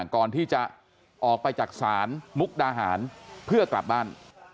ก่อนที่จะออกไปจากศาลมุกดาหารเพื่อกลับบ้าน